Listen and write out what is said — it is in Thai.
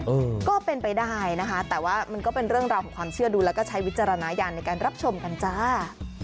เออก็เป็นไปได้นะคะแต่ว่ามันก็เป็นเรื่องราวของความเชื่อดูแล้วก็ใช้วิจารณญาณในการรับชมกันจ้า